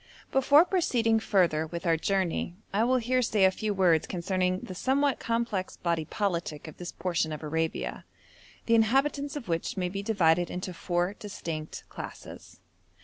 Before proceeding further with our journey, I will here say a few words concerning the somewhat complex body politic of this portion of Arabia, the inhabitants of which may be divided into four distinct classes.